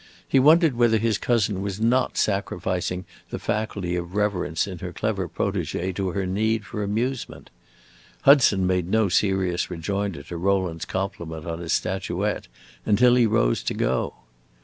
He wondered whether his cousin was not sacrificing the faculty of reverence in her clever protege to her need for amusement. Hudson made no serious rejoinder to Rowland's compliment on his statuette until he rose to go.